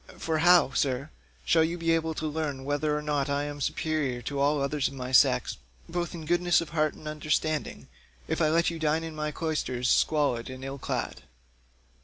For how, sir, shall you be able to learn whether or no I am superior to others of my sex both in goodness of heart and understanding, if I let you dine in my cloisters squalid and ill clad?